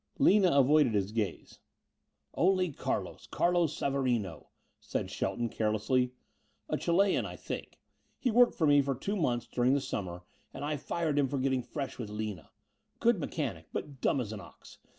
Lina avoided his gaze. "Only Carlos Carlos Savarino," said Shelton, carelessly, "a Chilean, I think. He worked for me for two months during the summer and I fired him for getting fresh with Lina. Good mechanic, but dumb as an ox.